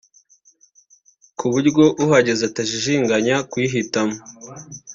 ku buryo uhageze atajijinganya kuyihitamo